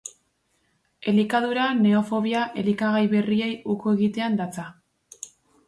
Elikadura neofobia elikagai berriei uko egitean datza.